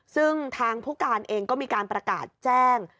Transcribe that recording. ซึ่งทางผู้การเองก็มีการประกาศแจ้ง